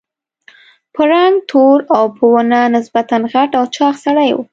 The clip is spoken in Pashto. په رنګ تور او په ونه نسبتاً غټ او چاغ سړی و.